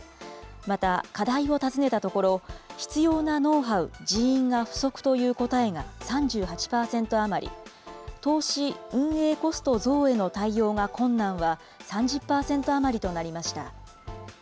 また、課題を尋ねたところ、必要なノウハウ、人員が不足という答えが３８％余り、投資・運営コスト増への対応が困難は３０％余りとなりました。